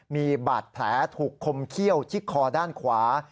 มีบาดแผลถูกคมเขี้ยวที่คอด้านขวา